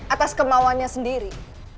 atas kemauannya sendiri